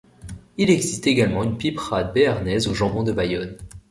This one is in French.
Il existe également une piperade béarnaise au jambon de Bayonne.